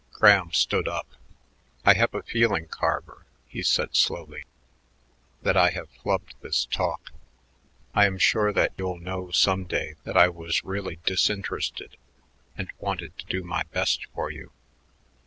Graham stood up. "I have a feeling, Carver," he said slowly, "that I have flubbed this talk. I am sure that you'll know some day that I was really disinterested and wanted to do my best for you."